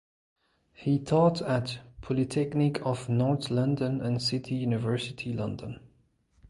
He taught at Polytechnic of North London and City University London.